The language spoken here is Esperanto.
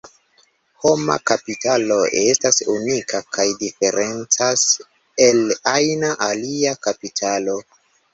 Homa kapitalo estas unika kaj diferencas el ajna alia kapitalo.